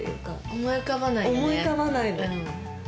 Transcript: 思い浮かばないよね。